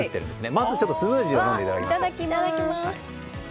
まず、スムージーを飲んでいただきたいです。